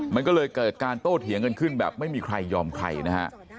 มันก็เลยเกิดการโต้เถียงกันขึ้นแบบไม่มีใครยอมใครนะฮะ